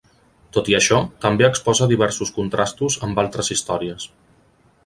Tot i això, també exposa diversos contrastos amb altres històries.